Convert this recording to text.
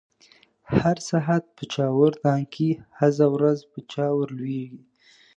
هر ساعت په چاور دانګی، هزه ورځ په چا ور لويږی